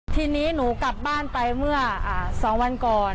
ทีนี้หนูกลับบ้านไปเมื่อ๒วันก่อน